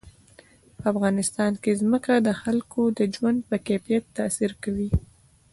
په افغانستان کې ځمکه د خلکو د ژوند په کیفیت تاثیر کوي.